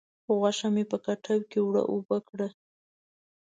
غوښه مې په کټو کې اوړه و اوبه کړه.